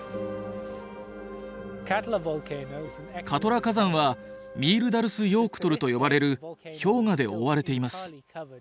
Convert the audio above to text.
カトラ火山はミールダルスヨークトルと呼ばれる氷河で覆われています。